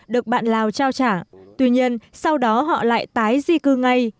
được bạn lào trao trả tuy nhiên sau đó họ lại tái di cư ngay